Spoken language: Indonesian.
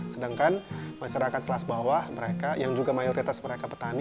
sedangkan masyarakat kelas bawah mereka yang juga mayoritas mereka petani